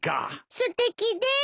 すてきです。